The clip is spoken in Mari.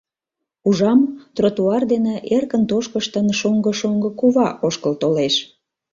Ужам: тротуар дене, эркын тошкыштын, шоҥго-шоҥго кува ошкыл толеш.